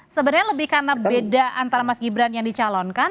sebenarnya lebih karena beda antara mas gibran yang dicalonkan